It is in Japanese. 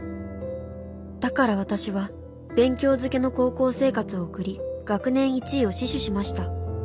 だから私は勉強づけの高校生活を送り学年一位を死守しました。